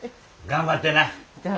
頑張って。